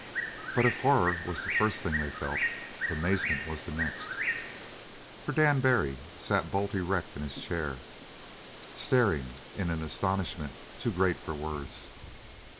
But if horror was the first thing they felt, amazement was the next. For Dan Barry sat bolt erect in his chair, staring in an astonishment too great for words.